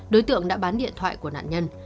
đối tượng đã bán điện thoại của nạn nhân